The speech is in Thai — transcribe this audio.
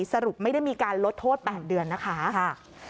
สรุปไม่ได้มีการลดโทษ๘เดือนนะคะ